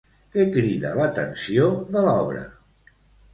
Què crida l'atenció de l'obra?